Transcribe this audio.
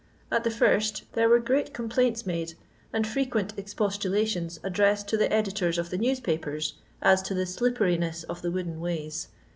A.t .the first, there were great complaints made, and frequent expostulations addressed to the editors of the newspapers, as to the slippcriness of the wooden ways.